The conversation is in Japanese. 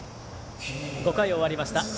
５回を終わりました